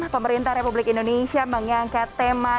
pemerintah republik indonesia mengangkat tema